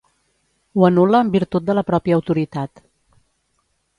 Ho anul·la en virtut de la pròpia autoritat.